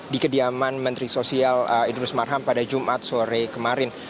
di kediaman menteri sosial idrus marham pada jumat sore kemarin